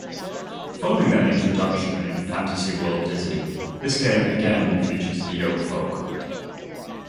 Following their introduction in Fantasy World Dizzy, this game again features the Yolkfolk.